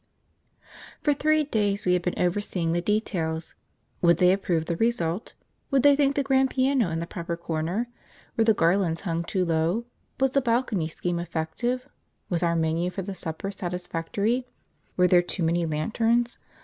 For three days we had been overseeing the details. Would they approve the result? Would they think the grand piano in the proper corner? Were the garlands hung too low? Was the balcony scheme effective? Was our menu for the supper satisfactory? Were there too many lanterns?